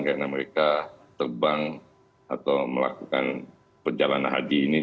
karena mereka terbang atau melakukan perjalanan haji ini